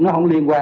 nó không liên quan